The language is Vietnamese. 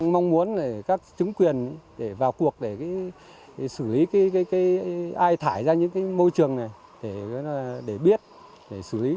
mong muốn các chứng quyền vào cuộc để xử lý ai thải ra những môi trường này để biết để xử lý